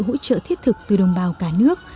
hỗ trợ thiết thực từ đồng bào cả nước